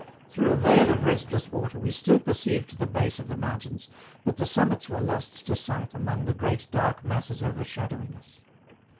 Through a veil of restless water, we still perceived the base of the mountains, but the summits were lost to sight among the great dark masses overshadowing us.